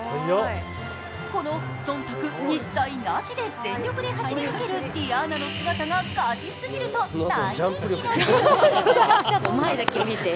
この忖度一切なしで全力で走り抜けるｄｉａｎａの姿がガチすぎると大人気なんです。